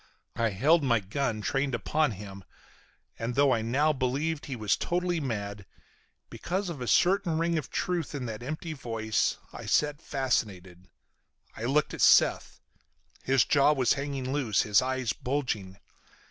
I held my gun trained upon him, and, though I now believed he was totally mad, because of a certain ring of truth in that empty voice, I sat fascinated. I looked at Seth. His jaw was hanging loose, his eyes bulging.